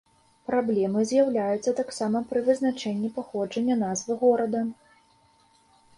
Праблемы з'яўляюцца таксама пры вызначэнні паходжання назвы горада.